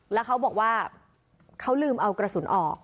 แล้วเขาบอกว่าเขาลืมเอากระสุนออก